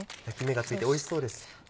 焼き目がついておいしそうです。